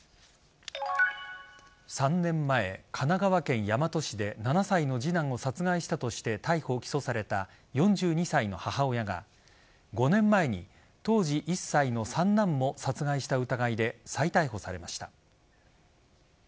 ３年前神奈川県大和市で７歳の次男を殺害したとして逮捕・起訴された４２歳の母親が５年前に当時１歳の三男も殺害した疑いで再逮捕されました。